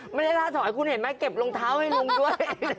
ไม่ได้ล่าถอยคุณเห็นไหมเก็บรองเท้าให้ลุงด้วย